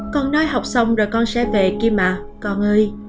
con nói học xong rồi con sẽ về kia mà con ơi